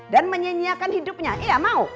dan menyinyiakan hidupnya iya mau